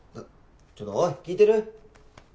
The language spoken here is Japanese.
ちょっとおい聞いてる？